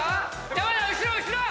山田後ろ後ろ！